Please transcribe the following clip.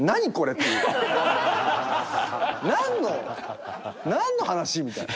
何の何の話？みたいな。